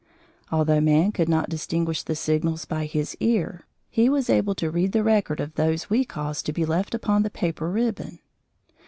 Although man could not distinguish the signals by his ear he was able to read the record of those we caused to be left upon the paper ribbon.